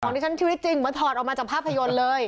ดิฉันชีวิตจริงเหมือนถอดออกมาจากภาพยนตร์เลย